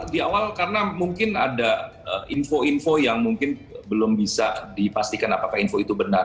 di awal karena mungkin ada info info yang mungkin belum bisa dipastikan apakah info itu benar